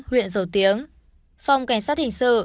huyện giầu tiếng phòng cảnh sát hình sự